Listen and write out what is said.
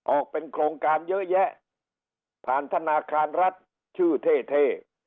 ออกเป็นโครงการเยอะแยะผ่านธนาคารรัฐชื่อเท่เท่